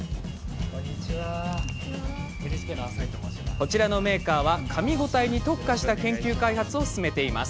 こちらのメーカーはかみ応えに特化した研究開発を進めています。